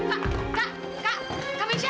kak kak kak kamisya